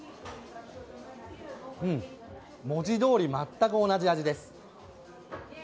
文字どおり、全く同じ味です。